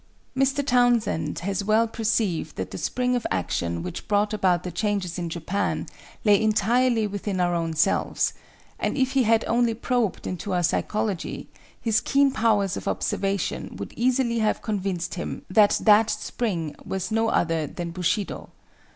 Mr. Townsend has well perceived that the spring of action which brought about the changes in Japan lay entirely within our own selves; and if he had only probed into our psychology, his keen powers of observation would easily have convinced him that that spring was no other than Bushido.